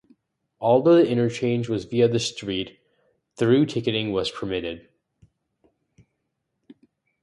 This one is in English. Although the interchange was via the street, through ticketing was permitted.